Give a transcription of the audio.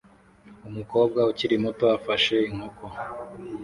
Umukobwa ukiri muto afashe inkoko